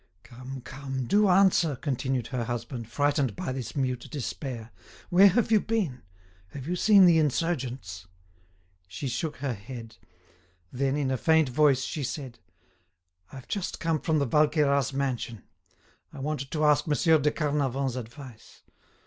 "Come, come, do answer," continued her husband, frightened by this mute despair. "Where have you been? Have you seen the insurgents?" She shook her head; then, in a faint voice, she said: "I've just come from the Valqueyras mansion. I wanted to ask Monsieur de Carnavant's advice.